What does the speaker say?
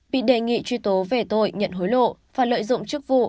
bị đề nghị truy tố về tội nhận hối lộ và lợi dụng chức vụ